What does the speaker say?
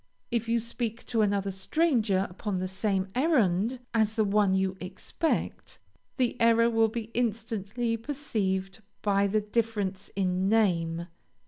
If you speak to another stranger upon the same errand as the one you expect, the error will be instantly perceived by the difference in name.